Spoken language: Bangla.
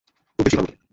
খুব বেশিই ভাবো তুমি।